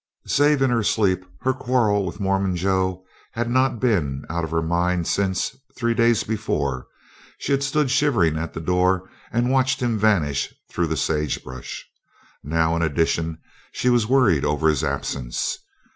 Save in her sleep, her quarrel with Mormon Joe had not been out of her mind since, three days before, she had stood shivering at the door and watched him vanish through the sagebrush. Now, in addition, she was worried over his absence.